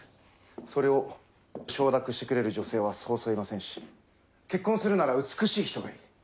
それを承諾してくれる女性はそうそういませんし結婚するなら美しい人がいい。